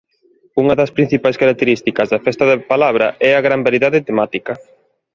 Unha das principais características da "Festa da Palabra" é a gran variedade temática.